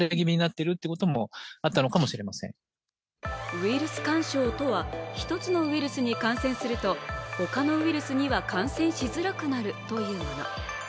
ウイルス干渉とは、１つのウイルスに感染すると他のウイルスには感染しづらくなるというもの